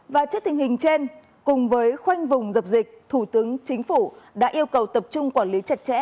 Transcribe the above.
và trước tình hình trên cùng với khoanh vùng dập dịch thủ tướng chính phủ đã yêu cầu tập trung quản lý chặt chẽ